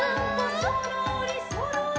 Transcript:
「そろーりそろり」